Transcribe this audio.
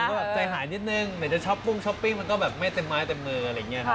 ก็แบบใจหายนิดนึงไหนจะช้อปปุ้งช้อปปิ้งมันก็แบบไม่เต็มไม้เต็มมืออะไรอย่างนี้ครับ